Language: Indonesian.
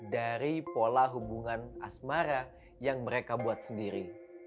dari pola hubungan asmara yang mereka buat sendiri